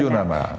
ya setuju namah